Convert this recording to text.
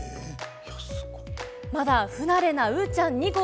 まだ不慣れな、ウーちゃん２号